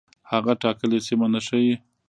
هغه ټاکلې سیمه نه ښيي.